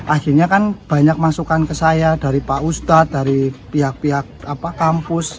akhirnya kan banyak masukan ke saya dari pak ustadz dari pihak pihak kampus